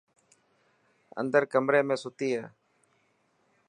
اندر ڪمري ۾ ستي هي.